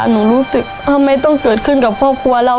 หนูรู้สึกทำไมต้องเกิดขึ้นกับครอบครัวเรา